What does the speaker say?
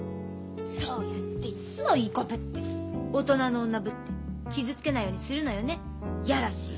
そうやっていっつもいい子ぶって大人の女ぶって傷つけないようにするのよね嫌らしい。